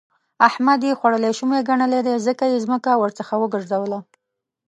احمد يې خوړلې شومه ګنلی دی؛ ځکه يې ځمکه ورڅخه وګرځوله.